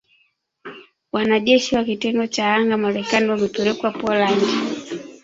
Wanajeshi wa kitengo cha anga Marekani wamepelekwa Poland